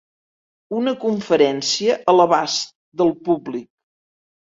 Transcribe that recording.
Una conferència a l'abast del públic.